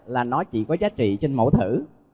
là nó chỉ có giá trị trên mẫu thử